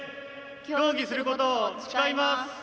競技することを誓います。